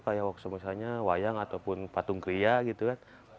kayak workshop misalnya wayang ataupun patung kriya gitu kan